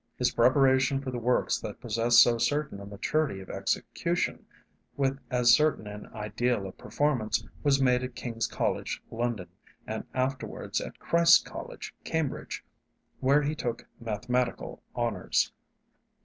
His preparation for the works that possess so certain a maturity of execution, with as certain an ideal of performance, was made at King's College, London, and afterwards at Christ's College, Cambridge, where he took mathematical honors.